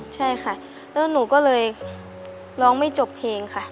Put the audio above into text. ใช่ค่ะแล้วหนูก็เลยร้องไม่จบเพลงค่ะ